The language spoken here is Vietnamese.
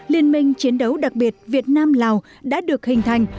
liên minh chiến đấu đặc biệt việt nam lào đã được hình thành